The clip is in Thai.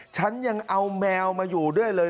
ฉันยังเอาแมวมาอยู่ด้วยเลย